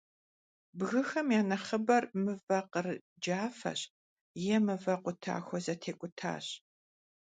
Bgıxem ya nexhıber mıve khır cafeş yê mıve khutaxue zetêk'utaş.